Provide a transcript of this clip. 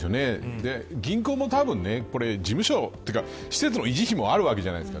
銀行も、たぶん事務所というか施設の維持費もあるわけじゃないですか。